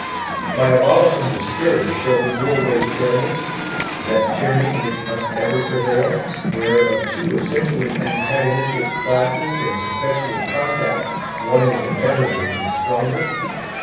By abolishing the scourge, shall we do away tyranny; that tyranny which must ever prevail, where of two essentially antagonistic classes in perpetual contact, one is immeasurably the stronger?